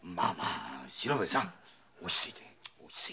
四郎兵衛さん落ち着いて。